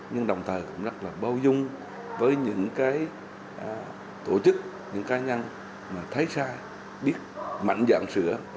nhưng đồng thời cũng rất là bao dung với những cái tổ chức những cá nhân mà thấy sai biết mạnh dạng sửa